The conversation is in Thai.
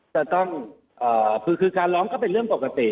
จะต้องคือการร้องก็เป็นเรื่องปกติ